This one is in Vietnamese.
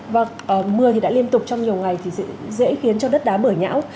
và mưa đã liên tục trong nhiều ngày dễ khiến cho đất đá bởi nhão